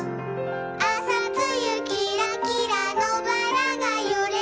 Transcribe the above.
「あさつゆきらきらのばらがゆれるよ」